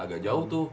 agak jauh tuh